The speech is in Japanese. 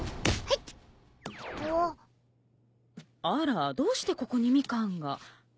あらどうしてここにミカンが。